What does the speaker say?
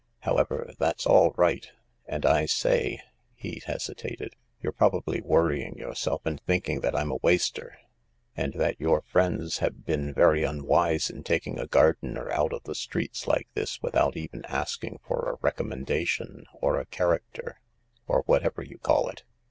However, that's all right. And I say ..." he hesitated. " You're probably worrying yourself, and thinking that I'm a waster, THE LARK and that your friends have been very unwise in taking a gardener out of the streets like this without even asking for a recommendation, or a character, or whatever you call it.